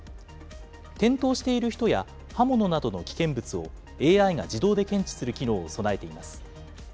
転倒している人や刃物などの危険物を、ＡＩが自動で検知する機能を備えています。